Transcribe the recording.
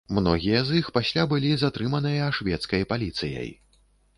Многія з іх пасля былі затрыманыя шведскай паліцыяй.